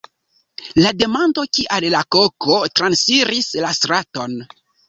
La demando "Kial la koko transiris la straton?